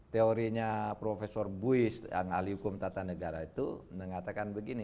teorinya profesor buis yang ahli hukum tata negara itu mengatakan begini